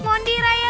mohon diri ya